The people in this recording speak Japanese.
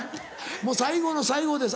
もう最後の最後です